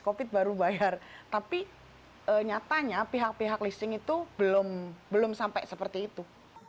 covid baru bayar tapi nyatanya pihak pihak listing itu belum belum sampai seperti itu